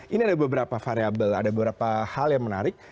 ini ada beberapa variable ada beberapa hal yang menarik